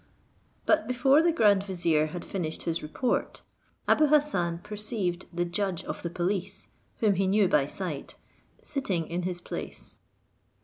But before the grand vizier had finished his report, Abou Hassan perceived the judge of the police, whom he knew by sight, sitting in his place.